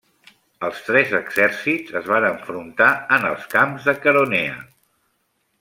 Els tres exèrcits es van enfrontar en els camps de Queronea.